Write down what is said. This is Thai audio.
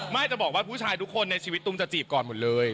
จะบอกว่าผู้ชายทุกคนในชีวิตตุ้มจะจีบก่อนหมดเลย